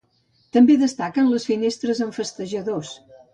També destaquen les finestres amb festejadors.